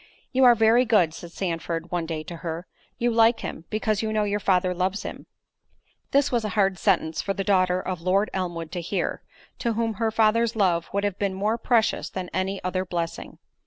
"You are very good," said Sandford, one day to her; "you like him, because you know your father loves him." This was a hard sentence for the daughter of Lord Elmwood to hear, to whom her father's love would have been more precious than any other blessing.